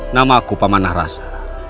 namaku pamanah rasa